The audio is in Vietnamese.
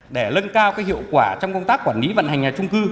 để lân cao hiệu quả trong công tác quản lý vận hành nhà trung cư